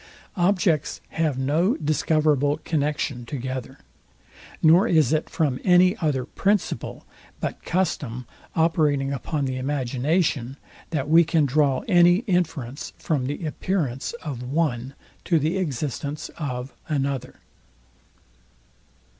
Objects have no discoverable connexion together; nor is it from any other principle but custom operating upon the imagination, that we can draw any inference from the appearance of one to the existence of another.